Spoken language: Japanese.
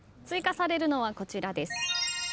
追加されるのはこちらです。